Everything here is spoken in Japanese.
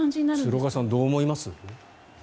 鶴岡さん、どう思います？